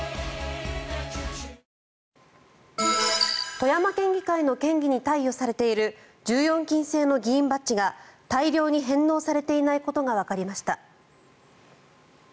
富山県議会の県議に貸与されている１４金製の議員バッジが大量に返納されていないことがわかりました。